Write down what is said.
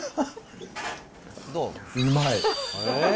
うまい。